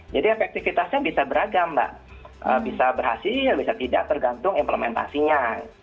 jadi efektifitasnya bisa beragam mbak bisa berhasil bisa tidak tergantung implementasinya